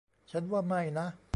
ฉันว่าไม่นะ